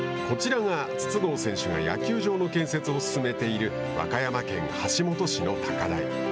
こちらが、筒香選手が野球場の建設を進めている和歌山県橋本市の高台。